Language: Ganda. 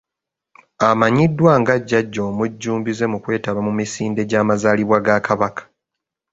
Amanyiddwa nga Jjajja omujjumbize mu kwetaba mu misinde gyamazaalibwa ga Kabaka.